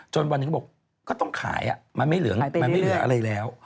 วันหนึ่งก็บอกก็ต้องขายมันไม่เหลืออะไรแล้ว